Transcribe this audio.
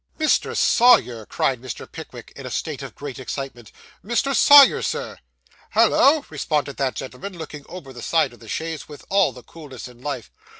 'Mr. Sawyer!' cried Mr. Pickwick, in a state of great excitement, 'Mr. Sawyer, Sir!' 'Hollo!' responded that gentleman, looking over the side of the chaise with all the coolness in life.